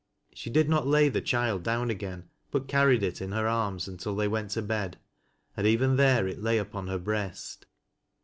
She did not lay the child down again, but carried it in her arms until they went to bed, and even there it lay upon her breast.